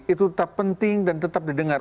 itu tetap penting dan tetap didengar